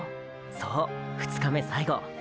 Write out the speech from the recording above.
そう２日目最後。